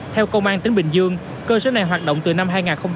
theo công an tính bình dương cơ sở này hoạt động từ năm hai nghìn một mươi sáu